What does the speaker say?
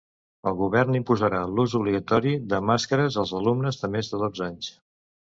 El govern imposarà l’ús obligatori de màscares als alumnes de més dotze anys.